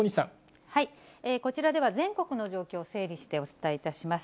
こちらでは全国の状況を整理してお伝えいたします。